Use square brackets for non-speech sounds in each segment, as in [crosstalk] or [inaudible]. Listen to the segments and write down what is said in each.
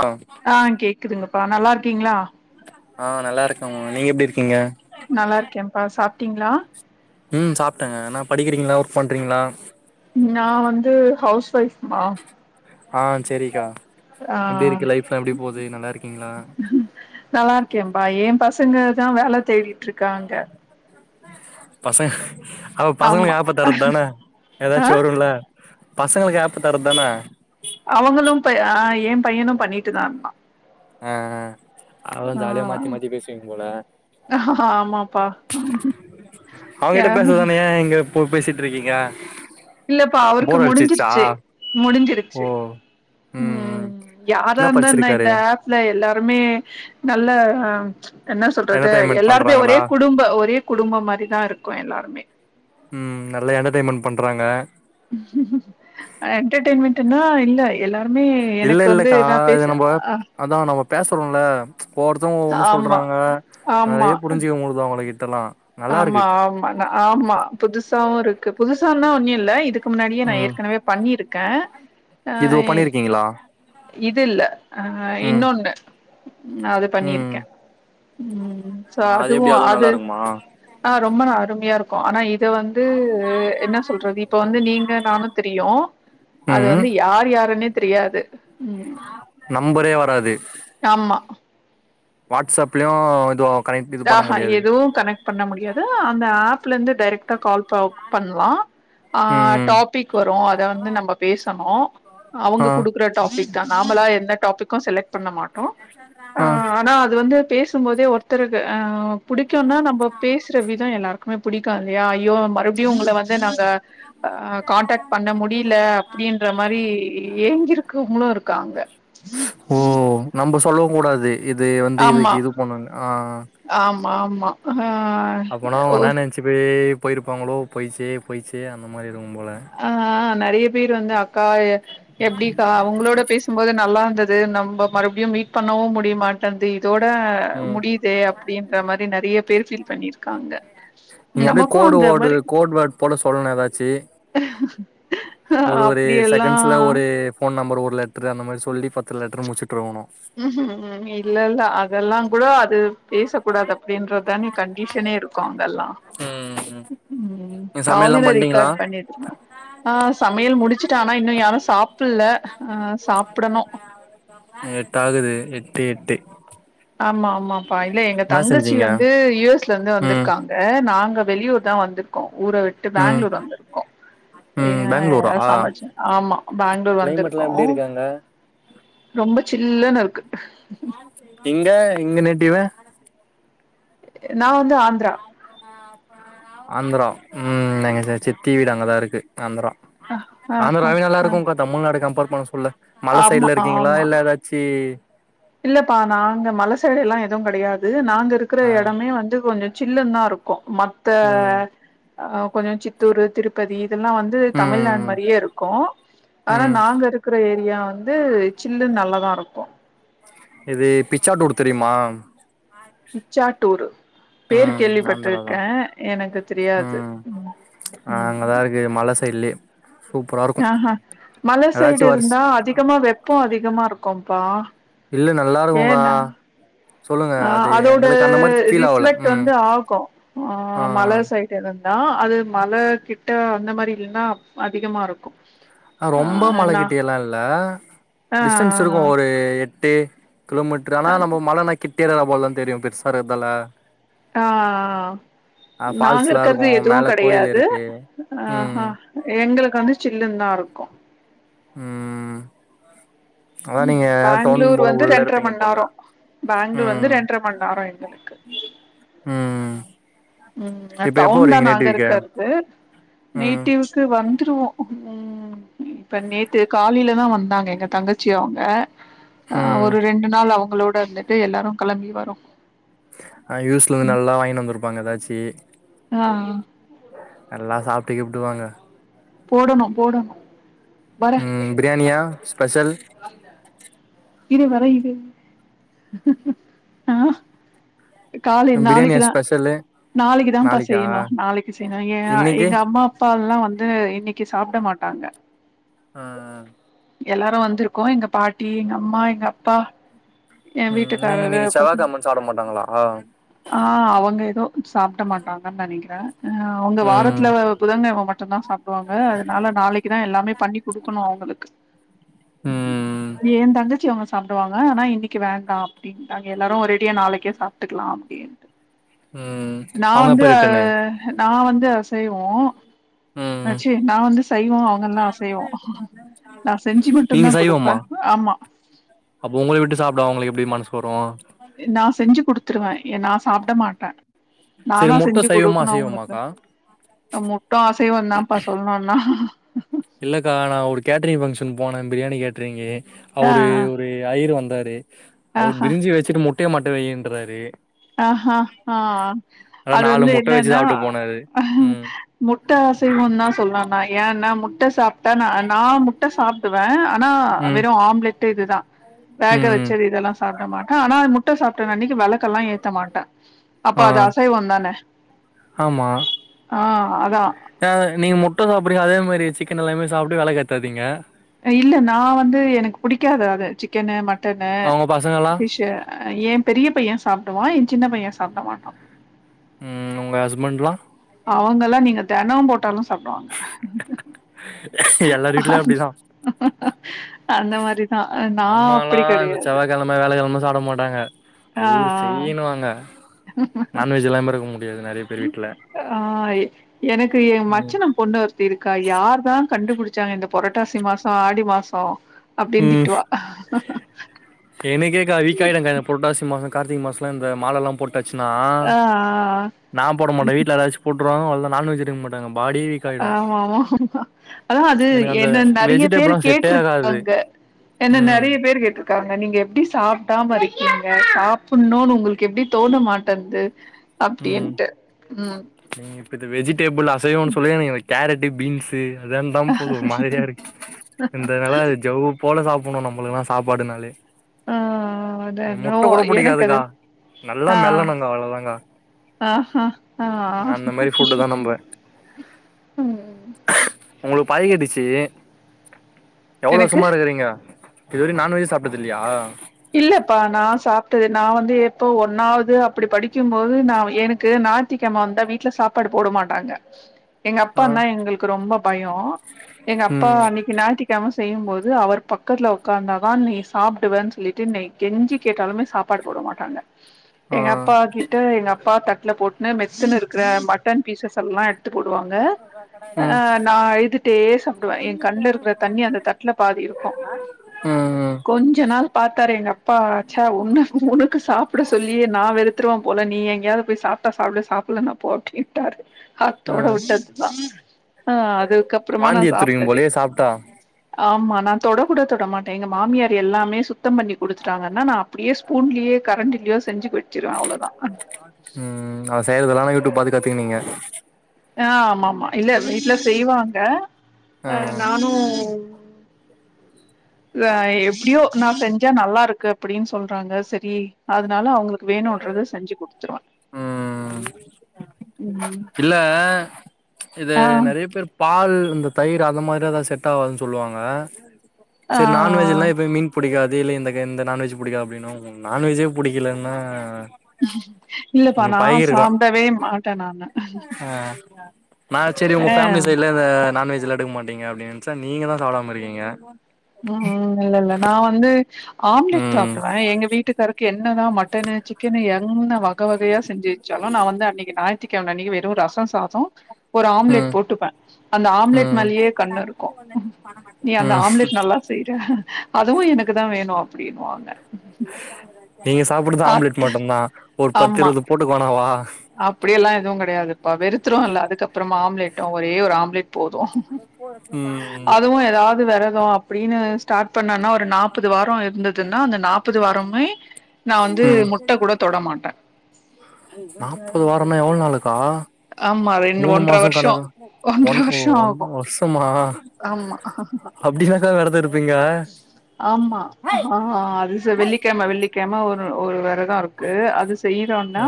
ஆ ஆ கேக்குதுங்கப்பா நல்லார்க்கீங்ளா ஆ நல்லாருக்க நீங்க எப்டி இருக்கீங்க நல்லாருக்கேம்ப்பா சாப்ட்டீங்ளா ம் சாப்ட என்னப் படிக்கிறிங்ளா ஒர்க் பண்றிங்ளா நா வந்து ஹவுஸ் ஒய்ஃப்மா ஆ சரிக்கா ஆ இருக்கீங்களா நல்லாருக்கேம்பா ஏம் பசங்கதா வேல தேடிட்ருக்காங்க பசங்க அப்ப ஆமா பசங்களுக்கு ஏப்ப தர்றத்தான ஆ ஏதாச்சு வருல பசங்களுக்கு ஏப்ப தர்றத்தான அவங்களும் இப்ப அ எம் பையனும் பண்ணிட்டுதா இந்தா அ அ அவஞ் ஜாலியா ஆ மாத்தி மாத்தி பேஸ்வீங்க போல ஆமாப்பா அவங்கிட்ட யா பேசதான ஏ இங்க போ பேசிட்ருக்கீங்க இல்லப்பா அவருக்கு முடிஞ்சிறிச்சி ஓ முடிஞ்சிறிச்சி ம் யாரா இந்தா என்ன இந்த ஆப்ல எல்லா மே நல்ல அ என்ன சொல்றது என்டர்டெயின்மெண்ட் எல்லாருமே ஒரே பண்றாங்களா குடும்ப ஒரே குடும்பம் மாரிதா இருக்வே எல்லாருமே ம் நல்ல என்டர்டயன்மன்ட் பண்றாங்க என்டர்டைன்மெண்டுனா இல்ல எல்லார் இல்ல இல்லக்கா இது நம்ப ஆ அதா நம்ப பேசுறோம் இல்ல ஒவ்வொருத்தரும் ஒவ்வொன்றும் ஆமா சொல்றாங்க ஆமா நறைய புரிஞ்சிக்க முடியுது அவங்க கிட்டெல்லா ஆமா ஆமா ஆமா புதுசாவு இருக்கு புதுசான ஒண்ணும் இல்ல இதுக்கு இதுக்கு முன்னாடியே நான் ம் ஏற்கனவே பண்ணிருக்கேன் ஆ இது பண்ணிருக்கீங்களா இது இல்ல அ ம் இன்னொன்னு அது ம் பண்ணிருக்கேன் ம் சோ ஆ, அது எப்டி அதுவும் அதுவு அது நல்லா இருக்குமா ஆ ரொம்ப நான் அருமையா இருக்கு ஆனா இது இத வந்து என்ன சொல்றது இப்ப வந்து நீங்க நானும் தெரியும் அது ம் வந்து யார் யாருன்னே தெரியாது ம் நம்பரே வராது ஆமா வாட்ஸ்அப்லயும் இது கனெக்ட் இது ஆ பண்ண முடியாது எதுவும் கனெக்ட் பண்ண முடியாது அந்த ஆப்ல இருந்து டைரக்டா கால் பண்லா ஆ ம் டாபிக் வரும் அத வந்து நம்ம பேசணும் ஆ அவங்க குடுக்குற டாபிக் நாமளா எந்த டாபிக்கும் செலக் பண்ண மாட்டோ ஆ ஆனா அது வந்து பேசும்போதே ஒரு ஒருத்தருக்கு ஆ புடிக்கும்னா நம்ம பேசுற விதம் எல்லாருக்குமே புடிக்கும் இல்லையா ஐயோ மறுபடியும் உங்கல வந்து நா கான்டாக்ட் பண்ண முடியல அப்படின்ற மாரி ஏங்கிருக்கவங்களும் இருக்காங்க அங்க ஓ நம்ப சொல்லவு கூடாது இது வந்து இதுக்கு இது பண்ணுங்க ஆ ஆமா ஆமா ஆ அப்பனா ஒரு ஒன்ன நினச்சி போய் போயிருப்பாங்களோ போயிச்சே போயிச்சே அந்த மாரி இருக்கு ஆ நறைய பேர் வந்து அக்கா எப்படிக்கா அவங்களோட பேசும்போது நல்லா இருந்தது நம்ம மறுபடியும் மீட் பண்ணவும் முடியமாட்டேன்னுது இதோட ம் முடியுது அப்படின்ற மாரி நறைய பேர் ஃபீல் பண்ணிருக்காங்க நீங்க அப்டியே நமக்கு கோடு அந்த ஓடு மாரி கோடு வேர்ட் போட சொல்ணு ஏதாச்சி [unintelligible] ஒரு ஒரு அப்டியெல்லா செகண்ட்ஸ்ல ஒரு போன் நம்பர் ஒரு லெட்ரு அந்த மாரி சொல்லி பத்து லெட்ரு முடிச்சு விட்ரோணு ம் ம் இல்ல இல்ல அதெல்லா கூட அது பேச கூடாது அப்படின்றதுதானே கண்டிஷனே இருக்கு அங்க எல்லா ம் ம் நீங்க சமையல்லா அவங்க பண்ட்டீங்களா ரெக்கார்ட் பண்ணிட்டு் ஆ மேல் முடிச்சுட்டானா இன்னு யாரும் சாப்பு அ சாப்படணு எட்டு ஆகுது எட்டு எட்டு ஆமா ஆமாப்பா இல்ல எங்க என்னா தங்கச்சி செஞ்சீங்க வந்து யுஎஸ் ல இருந்து ம் வந்திருக்காங்க நாங்க வெளியூர் தான் வந்திருக்கோ ஊர விட்டு ம் பெங்ளூர் வந்திருக்கோ ம் ஏன் பேங்களூரா ஏ சமைச்ச ஆமா பெங்ளூர் கிளைமேட்லா வந்திருக்கோ எப்டி இருக்கு அங்க ரொம்ப சில்லன்னு இருக்கு இங்க இங்க நேட்டிவ்வு நா வந்து ஆந்த்ரா ஆந்திரா ம் எங்க சித்தி வீடு அங்கதான் இருக்கு ஆந்திரா அ அ அ ஆந்தராவே நல்லா அ இருக்கும்க்கா தமிழ்நாட கம்பர் பண்ணும் சொல்ல மலை ஆமா சைடுல இருக்கீங்களா ஆமா இல்ல ஏதாச்சி இல்லப்பா நாங்க மலை சைடு எல்லா எதுவும் கிடையாது நாங்க இருக்கிற ஆ இடமே வந்து கொஞ்ச சில்லு தான் இருக்கு மத்த ம் கொஞ்ச சித்தூரு திருப்பதி இதெல்லா வந்து தமிழ்நாடு ம் மாரியே இருக்கு ஆனா ம் நாங்க இருக்கிற ஏரியா வந்து சில்லு நல்லதா இருக்கு இது பிச்சாடூர் தெரியுமா பிச்சாட்டூரு பேர் ம் ஆந்திரா கேள்விப்பட்ருக்க தா எனக்கு தெரியாது அ அங்கதான் இருக்கு மல சைடுலயே ஆஹ்ஹ மலை சைடு வருஷ் இருந்தா அதிகமா வெப்பம் அதிகமா இருக்கும்ப்பா இல்ல நல்லா இருக்குங்கா அ அதோட ஃபீல் ஆவல ரிஃப்ளெக்ட் ம் வந்து ஆகு ஆ மல சைட் எதாது நா அது மல கிட்ட அந்த மாரி இல்ன்னா அதிகமா இருக்கு ரொம்ப ஆ நா மலகிட்டியலா இல்ல ஆ டிஸ்டன்ஸ் இருக்கு ஒரு எட்டு கிலோமிட்ரு அனா நம்போ மலனா கிட்டிரரா போல் தா தெரியும் பெர்சார்க்கதால ஆ ஆ நாங்க ஃபால்ஸ்லா இருக்கு இர்க்கற்து எதுவு மேல கோயில் கடையாது இருக்கு ஆ ஹா ம் எங்களுக்கு வந்து சில்லுன் தா இருக்கு ம் அதான் ம் நீங்க டொன் போல உள்ள இருப்பீங்க போல பேங்ளூ வந்து ரெண்ர மண் நேரோ எங்களுக்கு ம் ம் ம் இப்ப எப்போ டவுன் தா வருவீங்க நாங்க நேட்டிவ்க்கு இருக்கற்து ம் நீட்டிவ்க்கு வந் துருவோ ம் இப்ப நேத்து காலில தா வந்தாங்க எங்க தங்கச்சி அவுங்க ஆ ம் ஒரு ரெண்டு நாள் அவுங்களோட இருந்துட்டு எல்லாரு களம்பி வரோ ஆ யூஸ்லந்து நல்லா வாங்கினு வந்தருப்பாங்க ஏதா ஆ ஆ எல்லா சாப்ட்டு கிப்ட்டு வாங்க போடணு போடணு வர ம் ப்ரியாணியா ஸ்பெஷல் இரு வர இரு ஆ காலை பிரியாணியா நாளக்கிதா ஸ்பெஷலு நாளக்கு தாம்ப்பா நாளைக்கா செய்யணு நாளக்கு செய்யணு ஏ இன்னைக்கி எங்க அம்மா அப்பால்லா வந் இன்னிக்கு சாப்ட மாட்டாங்க ஆ ஆ எல்லாரு வந்துருக்கோ எங்க பாட்டி எங்க அம்மா எங்க அப்பா ஏ ம் வீட்டுக்காரரு இன்னைக்கு பசங் செவ்வாகெழமன்னு சாப்ட மாட்டாங்களா ஆ அவங்க எதோ சாப்ட மாட்டாங்க நனிக்றே அ அவுங்க ம் வாரத்ல புதங்கெழம மட்டுந்தா சாப்டுவாங்க அதுனால நாளக்குதா எல்லாமே பண்ணி குக்கணு அவுங்களுக்கு ம் ஏன் தங்கச்சி அவுங்க சாப்டுவாங்க அனா இன்னிக்கி வேண்டா அப்டின்ட்டாங்க எல்லாரு ஒரேடியா நாளக்கே சாப்ட்டுக்லா அப்டின்ட்டு ம் நா அவங்க வந்து எப்ப அ ரிட்டனு நா வந்து அஸ் செய்வோ ம் அச்சி நா வந்து சைவோ அவுங்கெல்லா அசைவோ நா செஞ்சு நீங்க மட்டுந்தா குடுப்பே சைவம்மா ஆமா அப்ப உங்களை விட்டு சாப்ட அவுங்கெளுக் எப்டி மனஸ் வரு நா செஞ்சி குடுத்துர்வ எ நா சாப்ட மாட்ட சரி நானா முட்ட செஞ்சு சைவமா குடுக்குணு அவுங்களுக்கு அசைவமாக்கா முட்டும் அசைவந்தான்ப்பா சொல்ணுன்னா இல்லக்கா நா ஒரு கேட்ரி ஃபங்க்ஷன் போனே பிரியாணி கேட்ரிங்கி ஆ அவுரு ஒரு ஐரு வந் தாரு அவுர் ஆஹா பிரிஞ்சி வெச்சிட்டு முட்டய மட்டு வெய் ன்றாரு அ ஹா ஹா ஆனா அது நாலு வந்து முட்ட வச்சு என்னன்னா சாப்ட்டு போனாரு ம் முட்ட அசைவொன் நா சொல்லா நா ஏன்னா முட்ட சாப்ட்டா நா அண் நா முட்ட சாப்டுவ ஆனா ம் வெறு ஆம்லெட்டு இதுதா வேக ம் ம் வெச்சது இதலா சாப்ட மாட்ட ஆனாய் முட் முட்ட சாப்ட்டன் அன்னிக்கி வெளக்கல்லா ஏத்த மாட்ட அப்போ ஆ அது அசைவொந்தான ஆமா ஆ அதா நீங்க முட்ட சாப்புரிங்க அதே மாரி சிக்கன் எல்லாமே சாப்ட்டு வெலக் ஏத்தாதீங்க இல்ல நா வந்து எனக்கு புடிக்காது அது சிக்கெனு மட்டனு அவங்க பசங்கல்லா பிஷ்ஷ ஏ பெரிய பையன் சாப்டுவா ஏ சின்ன பையன் சாப்ட மாட்டான் ம் ஒங்க ஹஸ்மண்ட்லா அவங்கல்லா நீங்க தெனோ போட்டாலு சப்டுவாங்க எல்லார் வீட்லயு அப்டிதா அந்த மாரி அம்மாலா இந்த செவ்வாய்கிழம வேலக்கிழம சாப்ட மாட்டாங்க ஆ இவரு செய்யினுவாங்க நான்வெஜ் இல்லம இருக்க முடி ஆ எனக்கு ஏ ம் மச்சனம் பொண்ணு ஒருத்தி இருக்கா யாரு தான் கண்டுபிடிச்சாங்க இந்த புரட்டாசி மாச ஆடி மாச ம் எனக்கேக்கா வீக்காயிடுக்கா இந்த புரட்டாசி மாச கார்த்திக மாசம்ல இந்த மாலல்லா போட்டாச்சுன்னா ஆ நான் போட மாட்டே வீட்ல யாராச்சும் போட் ருவாங்க அவ்ளதா நான் வெஜ் எடுக்க மாட்டாங்க பாடியே வீக் ஆயிடு ஆமா ஆமா ஆமா அதான் அது எனக்கு அந்த என்ன நறய பேரு வெஜிடபிள்லா செட்டே ஆகாது கேட்ருக்காங்க என்ன ம் நறய பேர் கேட்டு நீங்க எப்படி சாப்டாம இருக்கீங்க சாப்புடுன்ணு உங்களுக்கு எப்படி தோண மாட்டேன்து ம் அப்டிண்டு ம் நீங்க இப்ப வெஜிடேபிள் அசைவொன்னு சொல்லி கேரட்டு பீன்சு தான் போது மாதிரியா இருக்கு இந்த நிலா ஜவ் போல சாப் போனும் நம்மளுக்கல்லா சாப்பாடுனாலே ஆ ஆ அத நோ முட்ட கூட எனக்கது புடிக்காதுக்கா நல்லா ஆ மெல்லணுங்க அவ்ளோதாங்க ஆ ஆ அந்த மாரி ஃபுட்டு தா நம்ப ம் உங்களுக்கு பாதி கேட்டுச்சு எவ்ளோ எனக்கு வசும்மா இருக்கிறீங்க இதுவரை நான்வெஜ் சாப்டது இல்லையா இல்லப்பா நான் சாப்ட்டது நான் வந்து எப்போ ஒன்னாவது அப்டி படிக்கும்போது நா எனக்கு ஞாத்திகிழம வந்தா வீட்ல சாப்பாடு போட மாட்டாங்க எங்க அப்பா ஆ நா எங்களுக்கு ரொம்ப பயம் எங்க அப்பா ம் அன்னைக்கு ஞத்திக்காம செய்யும்போது அவர் பக்கதுல உட்காந்தா தான் நீ சாப்டுவேன்னு சொல்லிட்டு கெஞ்சி கேட்டாலுமே சாப்பாடு போட மாட்டாங்க ஆ எங்க அப்பா கிட்ட எங்க அப்பா த தட்லபோட்னு மெத்துனு இருக்கிற மட்டன் பீசஸ்ல்லாம் போடுவாங்க ஆ ம் நான் அழுதுட்டே சாப்டுவே என் கண்ல இருக்கிற தண்ணி அந்த தட்ல பாதி இருக்கும் ம் ம் கொஞ்ச நாள் பாத்தாரு எங்க அப்பாச்சா ஒன்னு உனக்கு சாப்பிட சொல்லியே நா வெறு செத்துருவ போல நீஎங்கேயாவது போய் சாப்ட்டா சாப்டு சாப்லன போ அப்படின்ட்டாரு ஆ அத்தோட விட்டதுதான் ஆ அதுக்கப்புறமா வாந்தி நான் எத்துருவீங்க சாப்ட்டதே போலயே சாப்ட்டா ஆமா நா தொட கூட தொடமாட்டே எங்க மாமியார் எல்லாமே சுத் சுத்தம் பண்ணி கொடுத்துடாங்கன்னா நான் அப்படியே ஸ்பூன்லயே கரண்டிலயோ செஞ்சு வச்சிருவே அவ்ளோதா ம் ம் அவ செய்யறதல்ல யூடியூப் பாத்து கத்துங்ன்னிங்க ஆ ஆமா ஆமா இல்ல வீட்ல செய்வாங்க ஆ நானும் ஆ எப்படியோ நான் செஞ்சா நல்லா இருக்கு அப்படின்னு சொல்றாங்க சரி அதனால அவங்களுக்கு வேண வேணுன்றது செஞ்சு குடுத்துருவ ம் ம் ம் இல்ல இது ஆ நறைய பேர் பால் இந்த தயிர் அந்த மாரியதா செட் ஆவாதுன்னு சொல்லுவாங்க ஆ சரி நான்வெஜ் எல்லா எப்பயு மீன் புடிக்காது இத இந்த எந்த நான்வெஜ் புடிக்கு அப்படின்னா நான்வெஜ்ஜே புடிக்கலன்னா இல்லப்பா நான் சாப்டவே மாட்டே நானு ஆ நான் சரி உங்க ஆ ஃபேமிலி சைடுல இந்த நான் வெஜ் ல்லா எடுக்க மாட்டீங்க அப்டின் நினைச்சா நீங்க தா சாப்டாம இருக்கீங்க ம் ம் இல்ல இல்ல நா வந்து ஆம்லெட் ம் சாப்டுவே எங்க வீட்டுக்காருக்கு என்ன என்னதா மட்டனு சிக்கனு என்ன வக வகயா செஞ்சு வெச்சாலு நா வந்து அன்னைக் ஞாயி த்திக்கிழம அன்னைக்கு வெறு ரஸோ சாதோ ஒரு ஆம்லெட் ம் போட்டுப்பே அந்த ஆம்லெட் ம் மேலியே கண்ணு இருக்கு நீ அந்த ம் ஆம்லெட் நல்லா செய்றே அதுவு எனக்கு தா வேணு அப்டினுுவாங்க நீங்க சாப்புடுறது ஆம்லெட் அத் மட்டுதா ஒரு பத்துஇருவது போட்டுக்வெனாவா அப்டியெல்லா எதுவு கெடையாதுப்பா வெறுத்துருவொல்ல அதுக்கப்றமா ஆம்லேட் ஒரே ஒரு ஆம்லேட் போது ம் அதுவு எதாவுது வெரதோ அப்டினு ஸ்டாட் பண்ணனா ஒரு நாப்பது வாரொ இருந்துதுனா அந்த நாப்பது வாரம்மே ம் நாப்பது வாரொன்னா எவ்ளோ நாளுக்கா ஆமா ரெண்டு மூணு ஒன்ற மாஸோ வருஷோ கணக்கு ஒன்ற ஒன் ஓ வருஷோ ஆகு ஒன்னு வர்ஷமா ஆமா அப்டினக்கா வெரத இரு ஆமா ஆ அது ச வெள்ளிக்கெழம வெள்ளிக்கெழம ஒரு ஒரு வெர த இருக்கு அது ஆ செய்யறோனா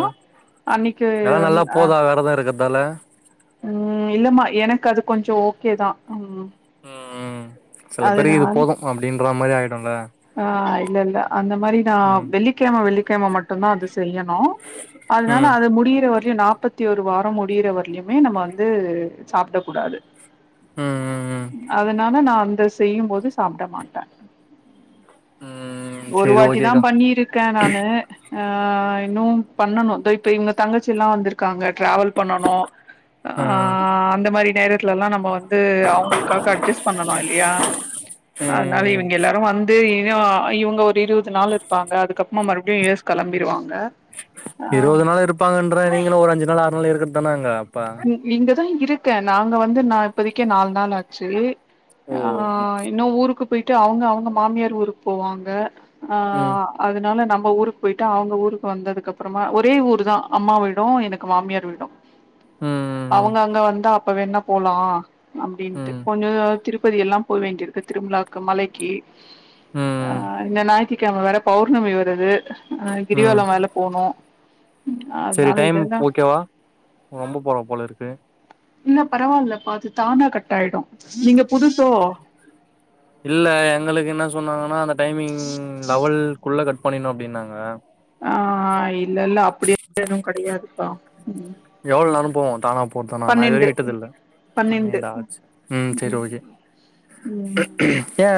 அன்னிக்கு வந் அ தல ம் இல்லமா எனக்கு அது கொஞ்சோ ஓகே தா ம் ம் சில பேருக்கு இது அதனால போது அப்டின்ற மாரி ஆயிடுல்ல ஆ இல்ல இல்ல அந்த மாரி நா ம் வெள்ளிக்கெழம வெள்ளிக்கெழம மட்டுந்தா அது செய்யணு அதனால ம் அது முடிற வ ரயு நாப்பத்தி ஒரு வாரொ முடியிற வரயிலுமே நம்ம வந்து சாப்ட கூடாது ம் ம் ம் அதனால நா அந்த செய்யும் போது சாப்ட மாட்ட ம் ஒரு சேரி வாட்டி தா ஓகேக்கா பண்ணியிருக்கே நானு ஆ இன்னு பண்ணணு தோ இப்ப இவுங்க தங்கச்சிலா வந்திருக்காங்க ட்ராவல் பண்ணணு அ ஆ அந்த மாரி ட்லலா நம்ம வந்து அவங்களுக்காக அட்ஜஸ் பண்ணனு இல்லயா அதனால ம் இவுங்க எல்லா வந்து இன்னோ இவங்க ஒரு இருவது நாள் இருப்பாங்க அதுக்கப்மா மறுபடியு யூ எஸ் கெளம்பிருவாங் இருவது நாள் இருப்பாங்கன்ற நீங்களு ஒரு அஞ்சு நாள் ஆறு நாள் இருக்கறது தான அங்க இ இங்கதா இருக்கே நாங்க வந்து நா இப்போதக்கி நாலு நாள் ஆச்சி ஓ அ இன்னு ஊருக்கு போய்ட்டு அவுங்க அவுங்க மாமியார் ஊருக்கு போவாங்க ஆ ம் ம் அதனால நம் ம ஊருக்கு போய்ட்டு அவங்க ஊருக்கு வந்ததுக்கப்புறமா ஒரே ஊர் தா அம்மா வீடு எனக்கு மாமியார் வீடு அவங்க அங்க வந்தா அப்ப வேனா போலா அப்டின்ட்டு ம் கொஞ்சோ திருப் ப்பதி எல்லா போ வேண்டியிருக்கு திருவிழாக்கு மலெக்கி ஆ ம் இந்த ஞாய் த்திகெழம வேற பௌர்ணமி வருது அ கிரிவல வேல போனு செரி அதனால டைம் இதெல்லா ஓகேவா ரொம்ப போல போல இருக்கு இல்ல பரவால்ல பா அது தானா கட்டாயிடு நீங்க புதுசோ இல்ல எங்களுக்கு என்ன சொன்னாங்கனா அந்த டைமிங் லெவல் குள்ள கட் பண்ணினு அப்டினாங்க ஆ இல்ல இல்ல அப்புடியெதுவு கெடையாதுப்பா ம் எவ்ளோ நேரோ போவு தானா போட்டானா நா பன்னெண்டு இதுவரையு விட்டதில்ல பன்னெண்டு பன்னெண்டாச்சு ம் செரி ஓகே ம் ஏ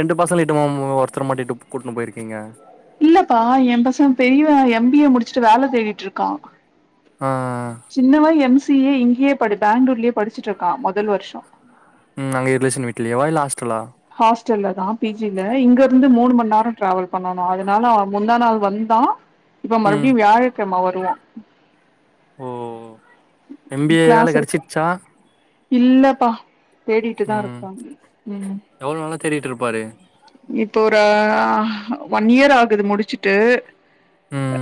ரெண்டு பசல்லிட்டுமா ஒருத்தர மாட்டிட்டு கூட்னு போயிருக்கீங்க இல்லப்பா எம் பச பெரியவ எம் பி ஏ முடிச்ட்டு வேல தேடிட்ருக்கா ஆ சின்னவ எம் சி ஏ இங்கயே படி பெங்களூர்லயே படிச்சிட்ருக்கா மொதல் வருஷ ம் அங்க ரிலேஷன் வீட்லயேவா இல்ல ஆஸ்டலா ஹாஸ்டல்லதா பி ஜி ல இங்கருந்து மூணு மண் நேரொ ட்ராவல் பண்ணனு அதனால முந்தா நாள் வந்தா இப்ப ம் மறுபடியு வியாழக்கெழ்ம வருவா ஓ எம் பி ஏ வேல கிளாஸ் இருக்கு கெடச்சிருச்சா இல்லப்பா தேடிட்டு தா இருக்கா ம் எவ்ள நாளா தேடிட்ருப்பாரு இப்போ ஒரு அ ஒன் இயர் ஆகுது முடிச்சிட்டு ம்